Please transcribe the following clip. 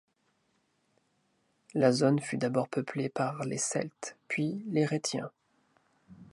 La zone fut d'abord peuplé par les Celtes, puis les Rhétiens.